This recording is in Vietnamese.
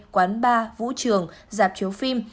quán bar vũ trường dạp triệu phim